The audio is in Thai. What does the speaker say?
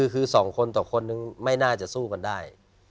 คือ๒คนต่อคนนึงไม่น่าจะสู้กันได้